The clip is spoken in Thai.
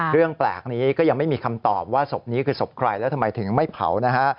เรื่องแปลกนี้ก็ยังไม่มีคำตอบว่าศพนี้คือศพใครแล้วทำไมถึงไม่เผานะฮะ